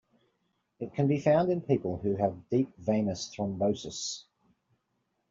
It can be found in people who have deep venous thrombosis.